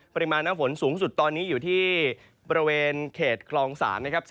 ปริมาณน้ำฝนสูงสุดตอนนี้อยู่ที่บริเวณเขตคลองศาลนะครับ